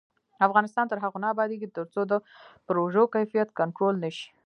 افغانستان تر هغو نه ابادیږي، ترڅو د پروژو کیفیت کنټرول نشي.